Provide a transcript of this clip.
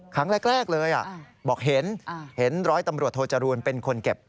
ครั้งแรกเลยบอกเห็นเห็นร้อยตำรวจโทจรูลเป็นคนเก็บ